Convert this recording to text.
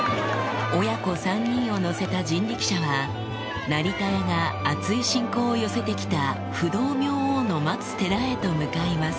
親子３人を乗せた人力車は成田屋が厚い信仰を寄せて来た不動明王の待つ寺へと向かいます